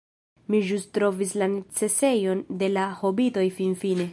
Mi ĵus trovis la necesejon de la hobitoj finfine!